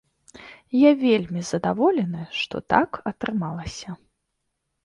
Я вельмі задаволены, што так атрымалася.